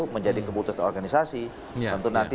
menjadi kebutuhan organisasi tentu nanti